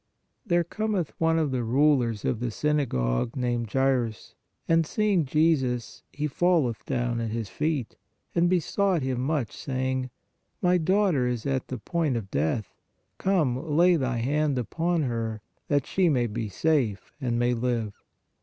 There cometh one of the rulers of the syna gogue, named Jairus, and seeing Jesus, he falleth down at His feet, and besought Him much, saying: My daughter is at the point of death ; come, lay Thy hand upon her, that she may be safe and may live.